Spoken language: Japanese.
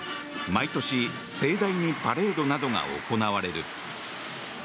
毎年、盛大にパレードなどが行われる。